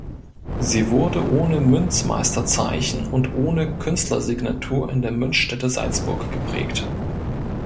Sie wurde ohne Münzmeisterzeichen und ohne Künstlersignatur in der Münzstätte Salzburg geprägt.